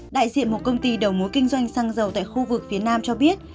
đại diện một công ty đầu mối kinh doanh xăng dầu tại khu vực phía nam cho biết